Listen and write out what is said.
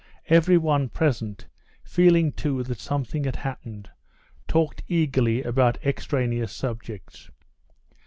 Everyone present, feeling too that something had happened, talked eagerly about extraneous subjects.